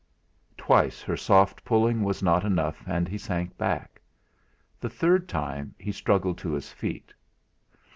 Twice her soft pulling was not enough, and he sank back. The third time he struggled to his feet.